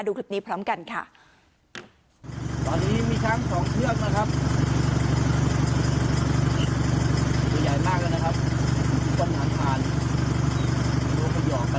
ดูคลิปนี้พร้อมกันค่ะตอนนี้มีช้างสองเครื่องนะครับ